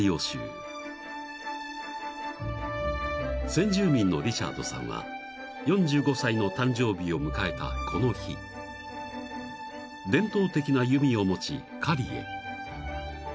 ［先住民のリチャードさんは４５歳の誕生日を迎えたこの日伝統的な弓を持ち狩りへ］